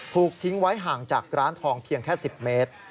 ถูกทิ้งไว้ห่างจากร้านทองเพียงแค่๑๐เมตร